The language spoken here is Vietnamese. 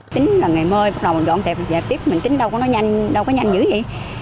tính là ngày mơ bắt đầu dọn dẹp tiếp mình tính đâu có nhanh như vậy